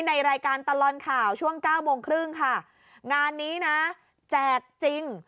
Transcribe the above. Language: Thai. ในรายการตลอดข่าวช่วงเก้าโมงครึ่งค่ะงานนี้นะแจกจริง